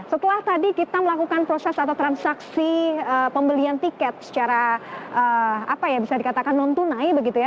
setelah tadi kita melakukan proses atau transaksi pembelian tiket secara apa ya bisa dikatakan non tunai begitu ya